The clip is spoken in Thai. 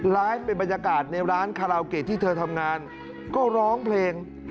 ไลฟ์เป็นบรรยากาศในร้านคาราโอเกะที่เธอทำงานก็ร้องเพลง